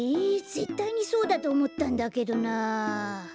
ぜったいにそうだとおもったんだけどな！